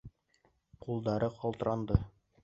Ҡулдары ҡалтыранды.